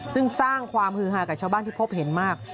ซึ่งสร้างความฮือฮากับชาวบ้านที่พบเห็นมาก